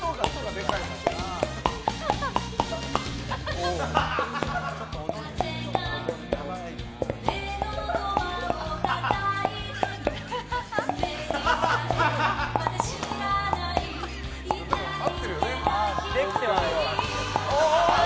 できてはいるわ。